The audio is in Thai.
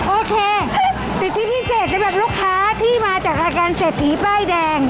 โอเคสิทธิพิเศษสำหรับลูกค้าที่มาจากรายการเศรษฐีป้ายแดง